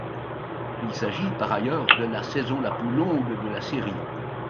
Il s'agit par ailleurs de la saison la plus longue de la série.